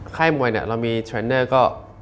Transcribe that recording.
ไข้มวยเรามีเทรนเนอร์ก็